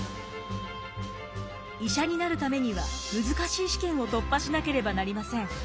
医者になるためには難しい試験を突破しなければなりません。